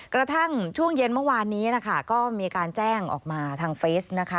กระทั่งช่วงเย็นเมื่อวานนี้นะคะก็มีการแจ้งออกมาทางเฟสนะคะ